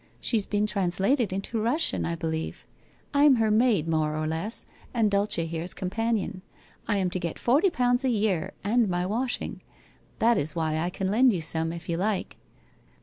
She's been translated into Russian, I be lieve. I'm her maid more or less, and Dulce here's companion. I am to get forty pounds a year, and my washing. That is why I can lend you some, if you like?